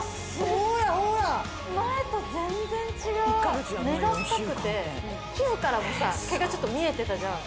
ほらほら根が深くて皮膚からもさ毛がちょっと見えてたじゃん